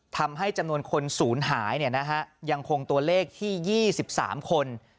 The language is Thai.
ทำให้จำนวนคนศูนย์หายยังคงตัวเลขที่๒๓คน